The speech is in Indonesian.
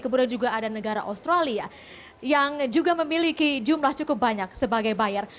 kemudian juga ada negara australia yang juga memiliki jumlah cukup banyak sebagai buyer